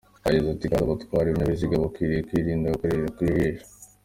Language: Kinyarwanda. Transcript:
Yagize kandi ati :"Abatwara ibinyabiziga bakwiriye kwirinda gukorera ku ijisho.